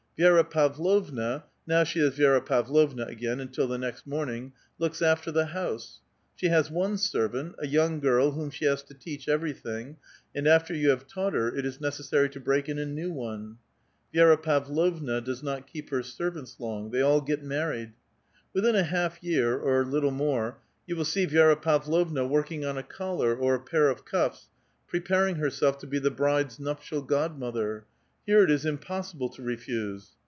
Vi^ra Pavlovna — now she is Viera Pavlovna again, until the next morning — looks after the house ; she has one servant, a young girl whom she has to teach evei*ything, and after you have taught her, it is necessary to break in a new one. Vi6ra Pavlovna does not keep her servants long ; they all get married ! Within a half year or a little more, 3'ou will see Vi^ra Pav lovna working on a collar or a i^air of cuffs, preparing herself to be the bride's nuptial godmother ; here it is impossible to refuse.